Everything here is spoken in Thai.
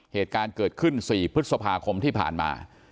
เหตุการณ์เกิดขึ้น๔พฤษภาคมที่ผ่านมา